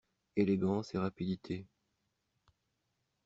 Élégance et rapidité